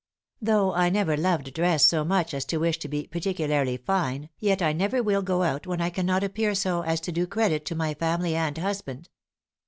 Though I never loved dress so much as to wish to be particularly fine, yet I never will go out when I cannot appear so as to do credit to my family and husband....